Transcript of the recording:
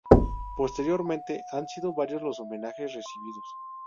Posteriormente, han sido varios los homenajes recibidos.